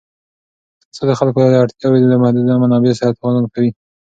اقتصاد د خلکو اړتیاوې د محدودو منابعو سره توازن کوي.